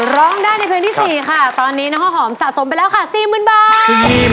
ร้องได้ในเพลงที่๔ค่ะตอนนี้น้องข้าวหอมสะสมไปแล้วค่ะ๔๐๐๐บาท